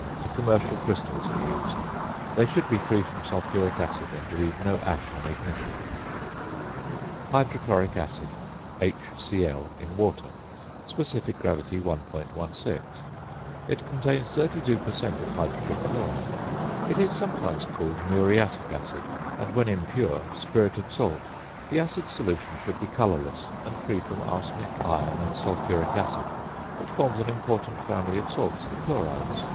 The commercial crystals are used; they should be free from sulphuric acid and leave no ash on ignition. ~Hydrochloric Acid~, HCl in water, (sp. gr. 1.16. It contains 32 per cent. of hydrogen chloride). It is sometimes called "muriatic acid," and when impure, "spirit of salt." The acid solution should be colourless and free from arsenic, iron, and sulphuric acid. It forms an important family of salts, the chlorides.